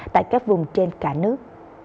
tại các vùng trên cả nước